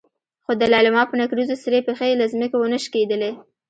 خو د لېلما په نکريزو سرې پښې له ځمکې ونه شکېدلې.